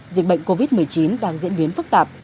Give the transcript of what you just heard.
dịch bệnh covid một mươi chín đang diễn biến phức tạp